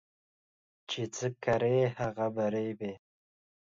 چي څه کرې ، هغه به رېبې.